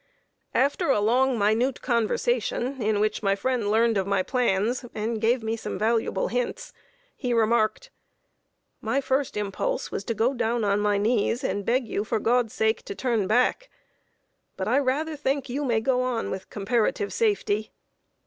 After a long, minute conversation, in which my friend learned my plans and gave me some valuable hints, he remarked: [Sidenote: AIMS AND ANIMUS OF SECESSIONISTS.] "My first impulse was to go down on my knees, and beg you, for God's sake, to turn back; but I rather think you may go on with comparative safety.